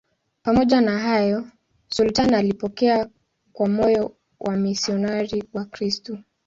Pamoja na hayo, sultani alipokea kwa moyo wamisionari Wakristo.